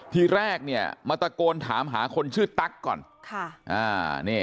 ทีแรกเนี่ยมาตะโกนถามหาคนชื่อตั๊กก่อน